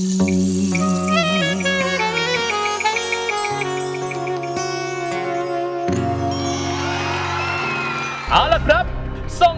เพราะในลมพัดพาหัวใจพี่ไปถึง